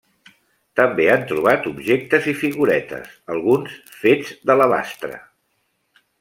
També han trobat objectes i figuretes, alguns fets d'alabastre.